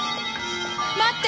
待って！